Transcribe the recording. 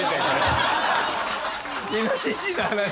イノシシの話。